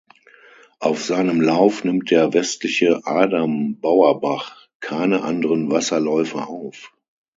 Auf seinem Lauf nimmt der Westliche Adambauerbach keine anderen Wasserläufe auf.